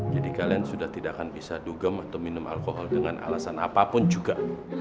jadi kalian sudah tidak akan bisa dugam atau minum alkohol dengan alasan apapun juga